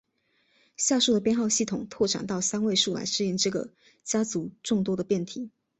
下述的编号系统拓展到三位数来适应这个家族众多的变体。